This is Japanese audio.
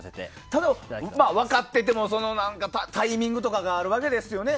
ただ、分かっていてもタイミングとかがあるわけですよね。